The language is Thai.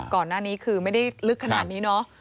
ก่อนหน้านี้คือไม่ได้ลึกขนาดนี้เนาะ